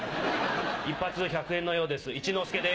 １発１００円のようです。